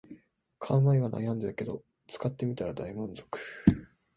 買う前は悩んだけど使ってみたら大満足